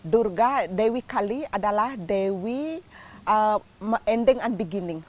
durga dewi kali adalah dewi ending and beginning